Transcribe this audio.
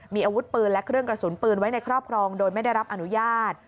มีอาวุธปืนและเครื่องกระสุนปืนไว้ในครอบครองโดยไม่ได้รับอนุญาต